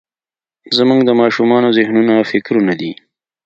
زموږ د ماشومانو ذهنونه او فکرونه دي.